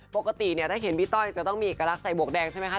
ปกติเนี่ยถ้าเห็นพี่ต้อยจะต้องมีเอกลักษณ์ใส่หมวกแดงใช่ไหมคะ